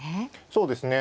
そうですね。